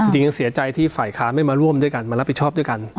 เสียใจที่ฝ่ายค้านไม่มาร่วมด้วยกันมารับผิดชอบด้วยกัน